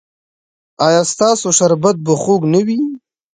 ایا ستاسو شربت به خوږ نه وي؟